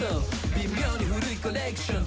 微妙に古いコレクション